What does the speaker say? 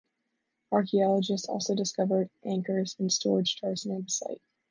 Archaeologists also discovered anchors and storage jars near the site.